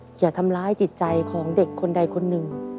อย่าทำร้ายจิตใจของเด็กคนใดคนหนึ่ง